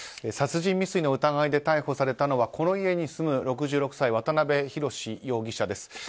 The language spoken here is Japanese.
殺人未遂の疑いで逮捕されたのはこの家に住む６６歳、渡辺宏容疑者です。